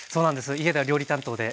家では料理担当で。